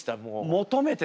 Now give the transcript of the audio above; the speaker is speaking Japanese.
求めてた。